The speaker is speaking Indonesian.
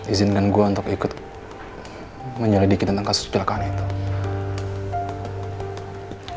izin dengan gue untuk ikut menyalah dikit tentang kasus celakaan itu